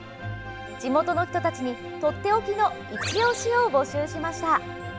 地元の人たちにとっておきのいちオシを募集しました。